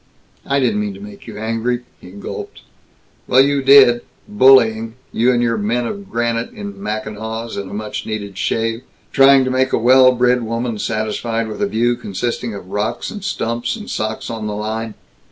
"I didn't mean to make you angry," he gulped. "Well, you did! Bullying You and your men of granite, in mackinaws and a much needed shave, trying to make a well bred woman satisfied with a view consisting of rocks and stumps and socks on the line!